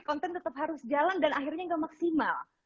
konten tetap harus jalan dan akhirnya nggak maksimal